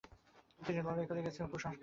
তিনি লড়াই করে গেছেন কুসংস্কারের বিরুদ্ধে।